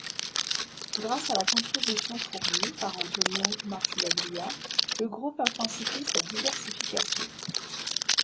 Grâce à la contribution fournie par Antonio Marcegaglia, le groupe intensifie sa diversification.